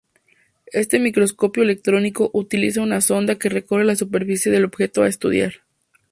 Este microscopio electrónico utiliza una sonda que recorre la superficie del objeto a estudiar.